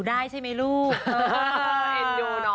แทบจะไม่มีเลย